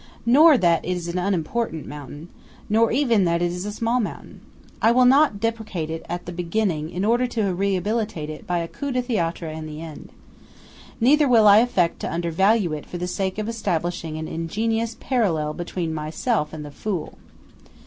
Nor that it is an unimportant mountain; nor even that it is a small mountain. I will not depreciate it at the beginning in order to rehabilitate it by a coup de théâtre in the end. Neither will I affect to undervalue it for the sake of establishing an ingenious parallel between myself and the Fool.